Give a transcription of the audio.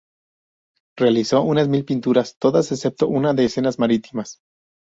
Realizó unas mil pinturas, todas excepto una de escenas marítimas.